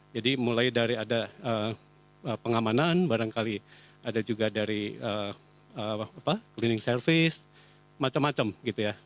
jadi mulai dari ada pengamanan barangkali ada juga dari cleaning service macam macam gitu ya